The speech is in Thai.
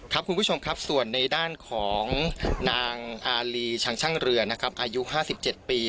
ครับคุณผู้ชมครับส่วนในด้านของนางอารีช่างช่างเรือนะครับอายุห้าสิบเจ็ดปี